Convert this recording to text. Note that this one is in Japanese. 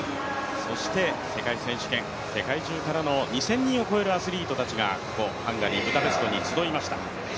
そして、世界選手権、世界中からの２０００人を超えるアスリートたちがここ、ハンガリー・ブダペストに集いました。